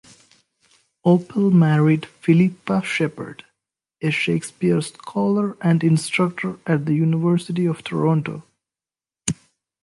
Oppel married Philippa Sheppard, a Shakespeare scholar and instructor at the University of Toronto.